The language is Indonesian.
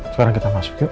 sekarang kita masuk yuk